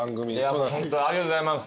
ありがとうございます。